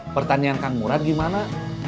pertanyaan kang murad gimana